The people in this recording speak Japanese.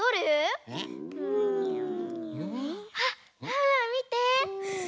うん？あっワンワンみて！